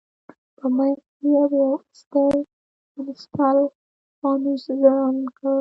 په منځ کې یې یو ستر کرسټال فانوس ځوړند کړ.